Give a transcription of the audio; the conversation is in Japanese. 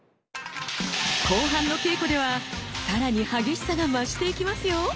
後半の稽古ではさらに激しさが増していきますよ！